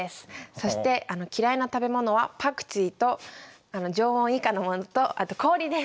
そして嫌いな食べ物はパクチーと常温以下のものとあと氷です。